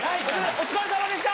お疲れさまでした！